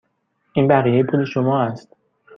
این بقیه پول شما است.